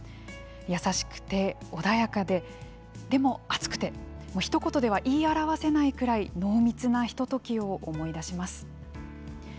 優しくて、穏やかで、でも熱くてひと言では言い表わせないくらい濃密なひとときを思い出します。